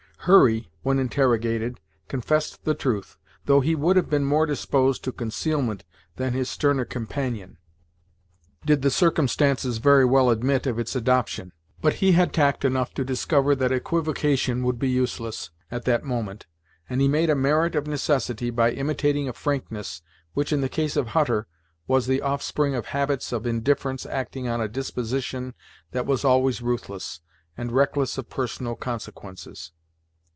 Hurry, when interrogated, confessed the truth, though he would have been more disposed to concealment than his sterner companion, did the circumstances very well admit of its adoption. But he had tact enough to discover that equivocation would be useless, at that moment, and he made a merit of necessity by imitating a frankness, which, in the case of Hutter, was the offspring of habits of indifference acting on a disposition that was always ruthless, and reckless of personal consequences.